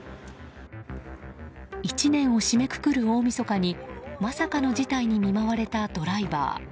１年を締めくくる大みそかにまさかの事態に見舞われたドライバー。